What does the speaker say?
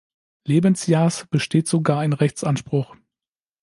Lebensjahrs besteht sogar ein Rechtsanspruch.